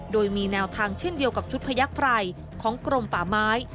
โดยมีแนวทางเช่นเดียวกับชุดพยักษ์ไพรของกรมป่าไม้